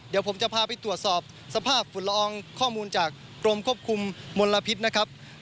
เดี๋ยวผมจะพาไปตรวจสอบสภาพฝุ่นละอองข้อมูลจากกรมควบคุมมลพิษนะครับ